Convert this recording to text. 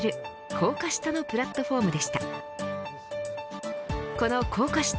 高架下のプラットフォームでした。